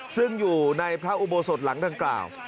ซึ่งอยู่ในพระอุโบสถหลังดังกล่าว